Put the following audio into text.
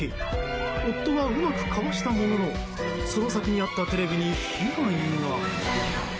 夫はうまくかわしたもののその先にあったテレビに被害が。